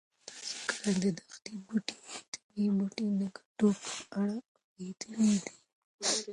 تاسو کله د دښتي بوټو او طبي بوټو د ګټو په اړه اورېدلي دي؟